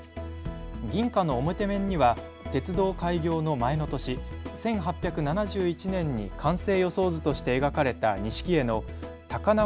銀貨の表面には鉄道開業の前の年、１８７１年に完成予想図として描かれた錦絵の高縄